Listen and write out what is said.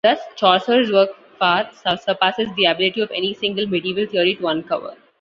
Thus Chaucer's work far surpasses the ability of any single medieval theory to uncover.